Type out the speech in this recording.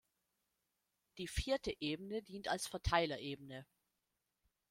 Die vierte Ebene dient als Verteilerebene.